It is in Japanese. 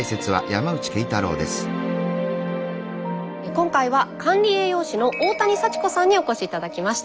今回は管理栄養士の大谷幸子さんにお越し頂きました。